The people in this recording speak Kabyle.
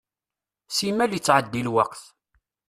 Simmal ittɛeddi lweqt.